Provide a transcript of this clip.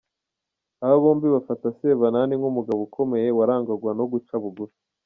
Aba bombi bafata Sebanani nk’umugabo ukomeye warangwaga no guca bugufi.